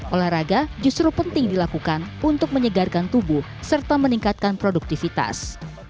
olahraga justru penting dilakukan untuk menyegarkan tubuh serta meningkatkan produktivitas